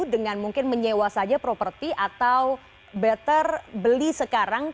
dengan mungkin menyewa saja properti atau better beli sekarang